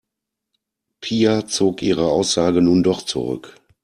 Pia zog ihre Aussage nun doch zurück.